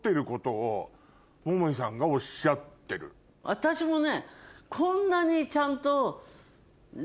私もね。